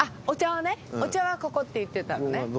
お茶はここって言ってたのね。